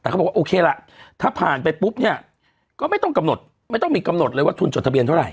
แต่เขาบอกว่าโอเคล่ะถ้าผ่านไปปุ๊บเนี่ยก็ไม่ต้องกำหนดไม่ต้องมีกำหนดเลยว่าทุนจดทะเบียนเท่าไห